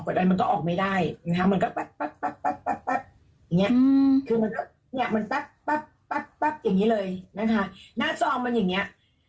กดอะไรมันก็ออกไม่ได้มันก็ปั๊บอย่างนี้